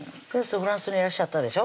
フランスにいらっしゃったでしょ